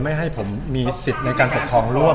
ไม่ให้ผมมีสิทธิ์ในการปกครองร่วม